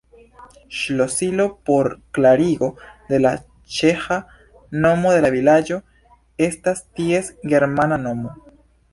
Ŝlosilo por klarigo de la ĉeĥa nomo de la vilaĝo estas ties germana nomo.